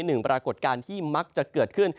หนึ่งปรากฏการณ์ที่มักจะเกิดขึ้น